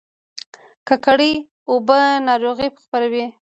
ککړې اوبه ناروغي خپروي